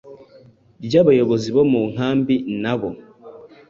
ryabayobozi bo mu nkambi n’abo